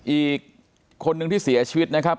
อีกคนนึงที่เสียชีวิตนะครับ